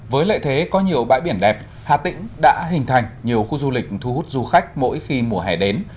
với lợi thế có nhiều bãi biển đẹp hà tĩnh đã hình thành nhiều khu du lịch thu hút du khách mỗi khi mùa hè đến